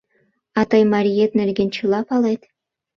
А тый мариет нерген чыла палет?